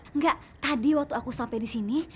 enggak tadi waktu aku sampai disini